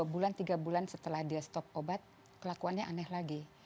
tiga bulan tiga bulan setelah dia stop obat kelakuannya aneh lagi